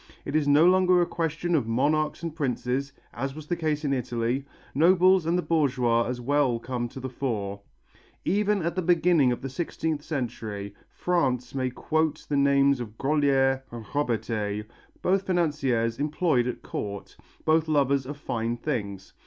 It is no longer a question of monarchs and princes, as was the case in Italy, nobles and the bourgeois as well come to the fore. Even at the beginning of the sixteenth century, France may quote the names of Grolier and Robertet, both financiers employed at Court, both lovers of fine things.